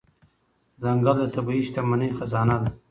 ځنګل د طبیعي شتمنۍ خزانه ده.